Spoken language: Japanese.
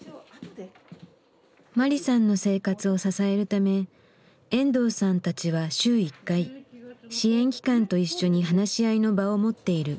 マリさんの生活を支えるため遠藤さんたちは週１回支援機関と一緒に話し合いの場を持っている。